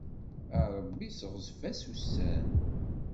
A Ṛebbi seɣzef-as ussan.